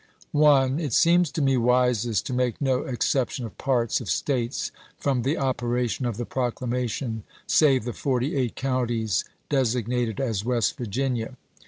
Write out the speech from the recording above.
I. It seems to me wisest to make no exception of parts of States from the operation of the proclamation save the forty eight counties designated as West Virginia.